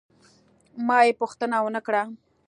ما یې پوښتنه ونه کړه.